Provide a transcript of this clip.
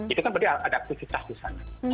itu kan berarti ada aktivitas di sana